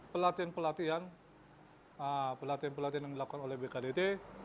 pelatihan pelatihan pelatihan pelatihan yang dilakukan oleh bkdt